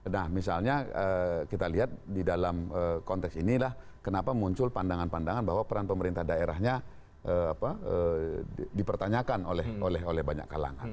nah misalnya kita lihat di dalam konteks inilah kenapa muncul pandangan pandangan bahwa peran pemerintah daerahnya dipertanyakan oleh banyak kalangan